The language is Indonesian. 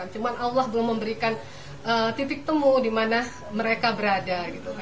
cuma allah belum memberikan titik temu di mana mereka berada